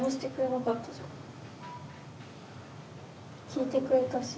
聞いてくれたし。